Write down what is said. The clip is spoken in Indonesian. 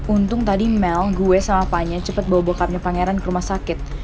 untung tadi mel gue sama paknya cepet bawa bokapnya pangeran ke rumah sakit